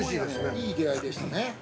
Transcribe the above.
◆いい出会いでしたね。